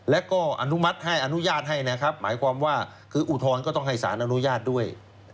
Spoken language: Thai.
และก็อนุมัติให้อนุญาตให้นะครับหมายความว่าคืออุทธรณ์ก็ต้องให้สารอนุญาตด้วย